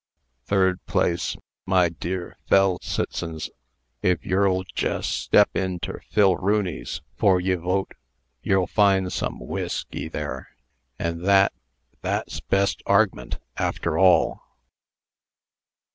Third place, my dear FELL' CIT'Z'NS, if yer'll jess step in ter Phil Rooney's 'fore ye vote, yer'll find some whi i sky there; and that that's bess arg'ment, after all."